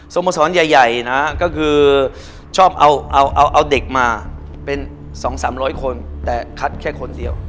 สมสอนใหญ่นะก็คือชอบเอาเด็กมาเป็นสองสามร้อยคนแต่คัดแค่คนเดียว